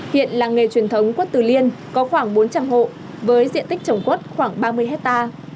hiện làng nghề truyền thống quất từ liên có khoảng bốn trăm linh hộ với diện tích trồng quất khoảng ba mươi hectare